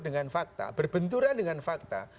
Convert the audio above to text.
dengan fakta berbenturan dengan fakta